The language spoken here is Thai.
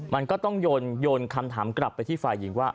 มันก็ต้องโยนคำถามกลับไปที่ฝ่ายหญิงว่า